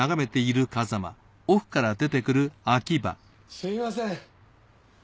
すみません。